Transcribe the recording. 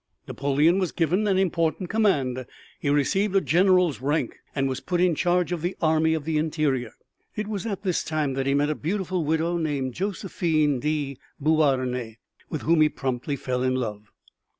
Napoleon was given an important command. He received a general's rank and was put in charge of the Army of the Interior. It was at this time that he met a beautiful widow named Josephine de Beauharnais with whom he promptly fell in love.